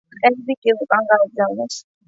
ტყვეები კი უკან გააგზავნეს.